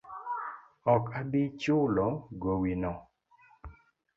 Ok abi chulo gowi no